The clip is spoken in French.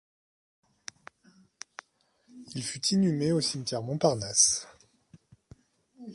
Il fut inhumé au cimetière Montparnasse.